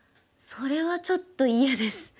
それはちょっと嫌です。